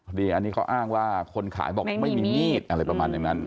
ดีอันนี้เขาอ้างว่าคนขายบอกไม่มีมีดอะไรประมาณอย่างนั้น